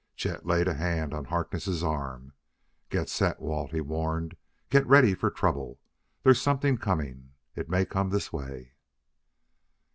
Chet laid a hand on Harkness' arm. "Get set, Walt!" he warned. "Get ready for trouble. There's something coming: it may come this way!"